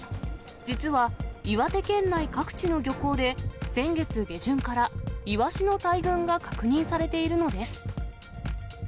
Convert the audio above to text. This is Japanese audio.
実は、岩手県内各地の漁港で、先月下旬から、イワシの大群が確認されているのです。